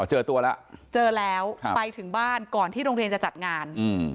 เจอตัวแล้วเจอแล้วไปถึงบ้านก่อนที่โรงเรียนจะจัดงานอืม